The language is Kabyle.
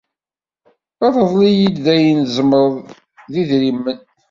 Rḍel-iyi-d ayen tzemreḍ d idrimen.